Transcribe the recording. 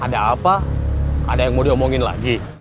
ada apa ada yang mau diomongin lagi